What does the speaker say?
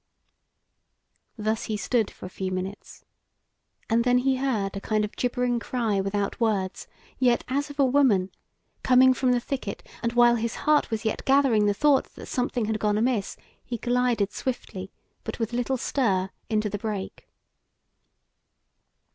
Thus he stood for a few minutes, and then he heard a kind of gibbering cry without words, yet as of a woman, coming from the thicket, and while his heart was yet gathering the thought that something had gone amiss, he glided swiftly, but with little stir, into the brake.